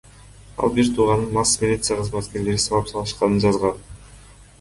Ал бир тууганын мас милиция кызматкерлери сабап салышканын жазган.